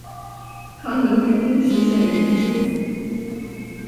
谭纶对军事甚有研究。